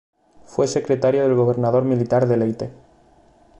Fue secretario del gobernador militar de Leyte.